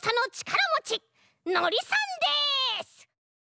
のりさんです！